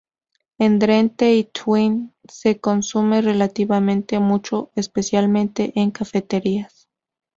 En Drente y Twente se consume relativamente mucho, especialmente en cafeterías.